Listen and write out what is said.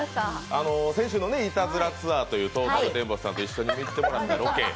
先週のいたずらツアーというトータルテンボスさんと一緒に行ってもらったロケ